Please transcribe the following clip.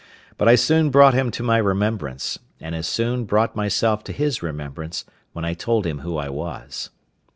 But I soon brought him to my remembrance, and as soon brought myself to his remembrance, when I told him who I was.